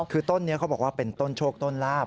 คือต้นนี้เขาบอกว่าเป็นต้นโชคต้นลาบ